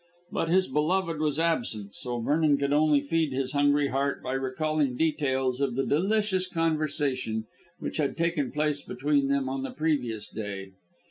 But his beloved was absent, so Vernon could only feed his hungry heart by recalling details of the delicious conversation which had taken place between them on the previous day.